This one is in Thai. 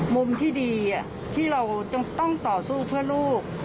มุมที่ดีที่เราต้องต่อสู้เพื่อลูก